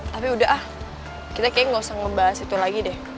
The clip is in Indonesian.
tapi udah ah kita kayaknya gak usah ngebahas itu lagi deh